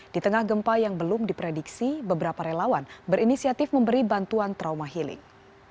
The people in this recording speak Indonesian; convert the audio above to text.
di tengah gempa yang belum diprediksi beberapa relawan berinisiatif memberi bantuan trauma healing